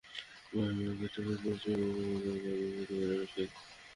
বামিয়েহ হচ্ছে ফারসি মিষ্টান্ন এবং বাখলাভা হচ্ছে বাদাম মিশ্রিত ক্যারামেলের কেক।